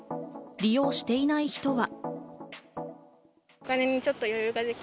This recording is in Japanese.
利用していない人は。